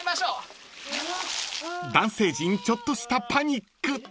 ［男性陣ちょっとしたパニック］